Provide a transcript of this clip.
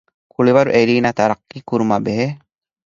ކުޅިވަރު އެރީނާ ތަރައްޤީކުރުމާ ބެހޭ